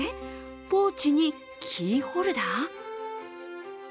ポーチにキーホルダー？